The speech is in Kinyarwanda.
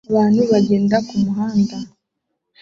Abantu bagenda kumuhanda